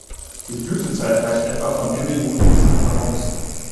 Die Blütezeit reicht etwa von Ende Juni bis Anfang August.